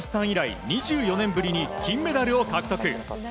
以来２４年ぶりに金メダルを獲得。